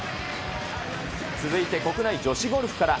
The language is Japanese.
続いて国内女子ゴルフから。